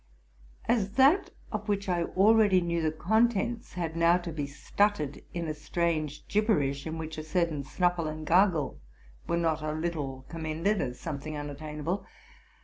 As that of which I already knew the contents had now to be stuttered in a strange gibberish, in which a certain snuffle and gargle were not a Tittle commended as something unat Miible.